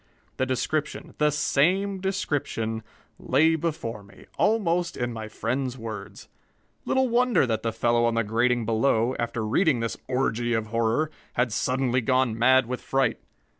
The description the same description lay before me, almost in my friend's words. Little wonder that the fellow on the grating below, after reading this orgy of horror, had suddenly gone mad with fright.